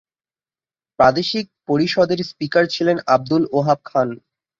প্রাদেশিক পরিষদের স্পীকার ছিলেন আব্দুল ওহাব খান।